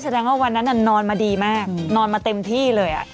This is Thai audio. แสดงว่าวันนั้นนอนมาดีมากนอนมาเต็มที่เลย